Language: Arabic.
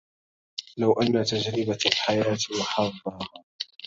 لو أن تجربة الحياة وحظها